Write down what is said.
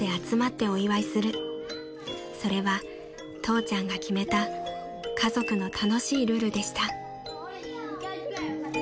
［それは父ちゃんが決めた家族の楽しいルールでした］